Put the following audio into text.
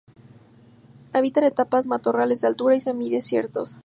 Habita en estepas, matorrales de altura y semidesiertos.